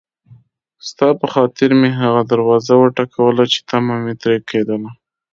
ستا په خاطر مې هغه دروازه وټکوله چې طمعه مې ترې کېدله.